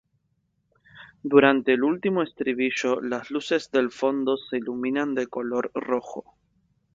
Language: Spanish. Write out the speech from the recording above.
Durante el último estribillo, las luces del fondo se iluminan de color rojo.